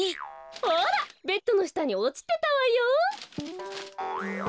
ほらベッドのしたにおちてたわよ。